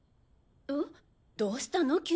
えっどうしたの？